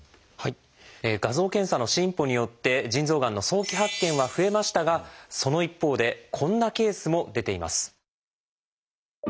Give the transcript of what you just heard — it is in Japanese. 画像検査の進歩によって腎臓がんの早期発見は増えましたがその一方でこんなケースも出ています。